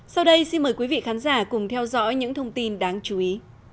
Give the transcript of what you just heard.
sau đây xin mời quý vị khán giả cùng theo dõi những thông tin đáng chú ý